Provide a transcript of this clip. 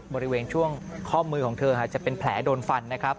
บริเวณช่วงข้อมือของเธอจะเป็นแผลโดนฟันนะครับ